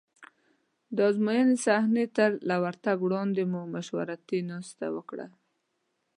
د ازموینې صحنې ته له ورتګ وړاندې مو مشورتي ناسته وکړه.